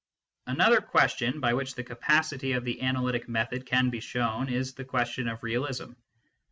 Another question by which the capacity of the analytic method can be shown is the question of realism.